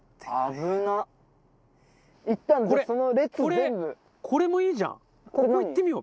これこれもいいじゃん。